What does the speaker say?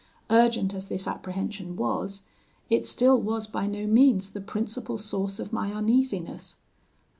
'Urgent as this apprehension was, it still was by no means the principal source of my uneasiness.